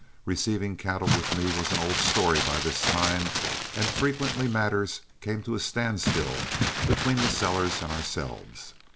Receiving cattle with me was an old story by this time, and frequently matters came to a standstill between the sellers and ourselves.